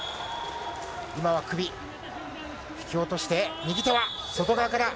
今は首、引き落として右手は外側から。